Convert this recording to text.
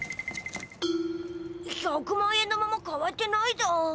１００万円のままかわってないだ。